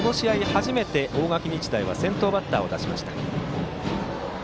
初めて大垣日大は先頭バッターを出しました。